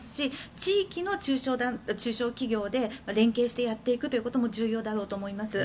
地域の中小企業で連携してやっていくことも重要だろうと思います。